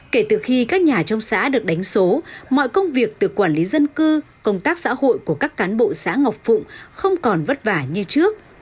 kể từ khi các nhà trong xã được đánh số mọi công việc từ quản lý dân cư công tác xã hội của các cán bộ xã ngọc phụng không còn vất vả như trước